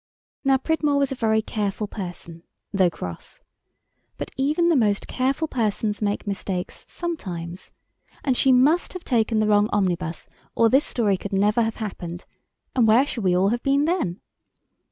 Now Pridmore was a very careful person, though cross, but even the most careful persons make mistakes sometimes—and she must have taken the wrong omnibus, or this story could never have happened, and where should we all have been then?